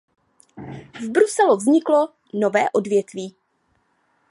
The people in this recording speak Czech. V Bruselu vzniklo nové odvětví.